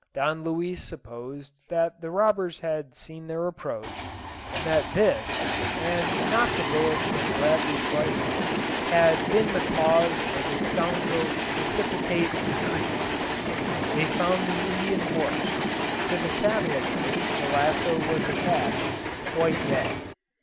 Don Luis supposed that the robbers had seen their approach, and that this, and not the bullet from Bradley's rifle, had been the cause of the scoundrels' precipitate retreat. They found the Indian's horse, to the saddle of which the lasso was attached, quite dead.